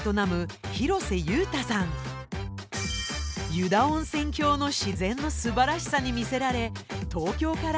湯田温泉峡の自然のすばらしさに魅せられ東京から移住。